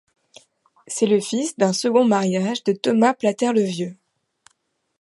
C'est le fils d'un second mariage de Thomas Platter le Vieux.